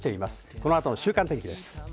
この後の週間天気です。